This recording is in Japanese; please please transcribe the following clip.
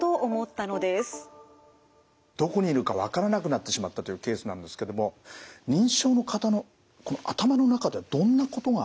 どこにいるかわからなくなってしまったというケースなんですけども認知症の方の頭の中ではどんなことが起きてるんですかね